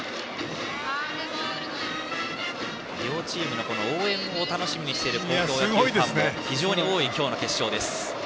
両チームの応援を楽しみにしている高校野球ファンも非常に多い今日の決勝。